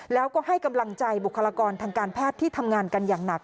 แล้วก็ให้กำลังใจบุคลากรทางการแพทย์ที่ทำงานกันอย่างหนัก